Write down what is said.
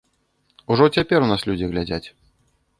Ужо цяпер нас людзі глядзяць.